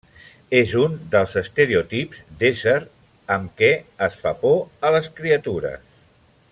És un dels estereotips d'ésser amb què es fa por a les criatures.